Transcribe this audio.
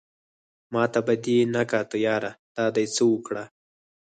ماته به دې نه کاته ياره دا دې څه اوکړه